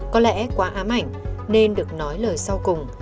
có lẽ quá ám ảnh nên được nói lời sau cùng